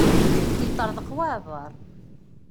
Yeṭṭerḍeq waεbar.